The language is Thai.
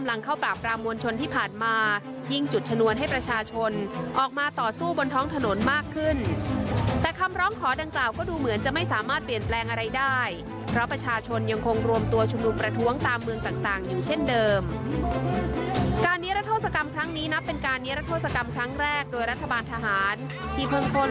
และประโยชน์ของตนเองเพื่อประโยชน์ของไวรัสโควิด๑๙